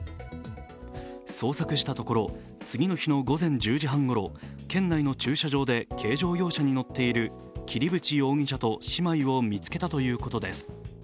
捜索したところ次の日の午前１０時半ごろ県内の駐車場で、軽乗用車に乗っている桐淵容疑者と姉妹を見つけたということです。